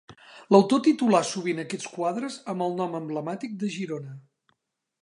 L'autor titulà sovint aquests quadres amb el nom emblemàtic de Girona.